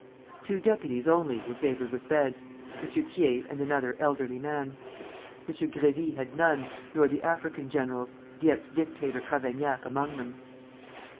Two deputies only were favored with beds, M. Thiers and another elderly man. M. Grévy had none, nor the African generals, the ex dictator Cavaignac among them.